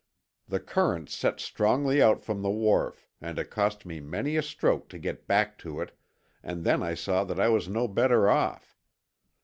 The current set strongly out from the wharf, and it cost me many a stroke to get back to it, and then I saw that I was no better off.